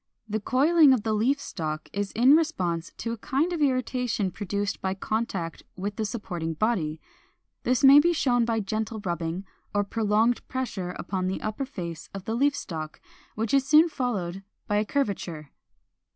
The coiling of the leaf stalk is in response to a kind of irritation produced by contact with the supporting body. This may be shown by gentle rubbing or prolonged pressure upon the upper face of the leaf stalk, which is soon followed by a curvature.